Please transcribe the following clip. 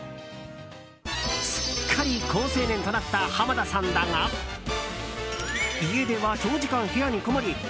すっかり好青年となった濱田さんだが家では長時間、部屋にこもり○○